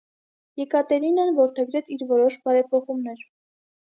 Եկատերինան որդեգրեց իր որոշ բարեփոխումներ։